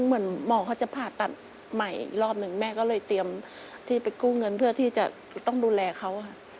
เหมือนหมอเขาจะผ่าตัดใหม่อีกรอบหนึ่งแม่ก็เลยเตรียมที่ไปกู้เงินเพื่อที่จะต้องดูแลเขาค่ะ